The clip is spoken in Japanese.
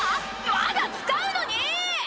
まだ使うのに！」